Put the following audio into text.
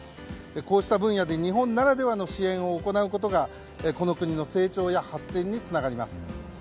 こうした分野で日本ならではの支援を行うことがこの国の成長や発展につながります。